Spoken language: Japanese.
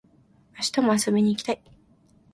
明日も遊びに行きたい